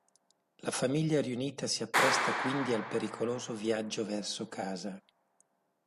La famiglia riunita si appresta quindi al pericoloso viaggio verso casa.